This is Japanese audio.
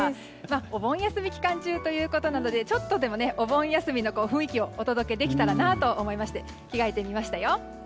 お盆休み期間中ということなのでちょっとでもお盆休みの雰囲気をお届けできたらと思いまして着替えてみましたよ。